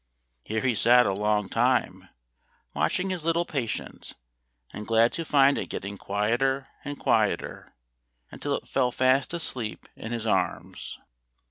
Here he sat a long time, watching his little patient, and glad to find it getting quieter and quieter, until it fell fast asleep in his arms.